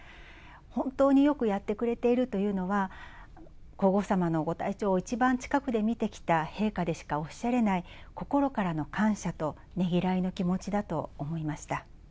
本当によくやってくれているというのは、皇后さまのご体調を一番近くで見てきた陛下でしかおっしゃれない、心からの感謝とねぎらいの気持ちだと思いました。